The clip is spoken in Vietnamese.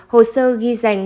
hồ sơ ghi danh